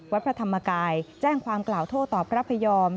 วัดพระธรรมกายแจ้งความกล่าวโทษต่อพระพยอม